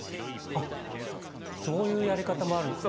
あっそういうやり方もあるんですね。